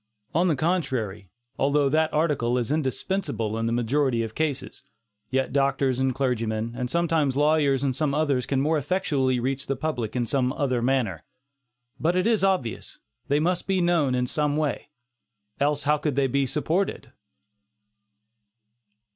On the contrary, although that article is indispensable in the majority of cases, yet doctors and clergymen, and sometimes lawyers and some others can more effectually reach the public in some other manner. But it is obvious, they must be known in some way, else how could they be supported?